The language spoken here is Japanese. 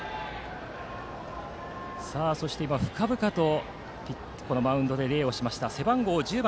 そして深々とマウンドで礼をしました背番号１０番。